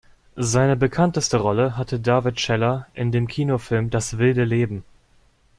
Seine bekannteste Rolle hatte David Scheller in dem Kinofilm Das wilde Leben.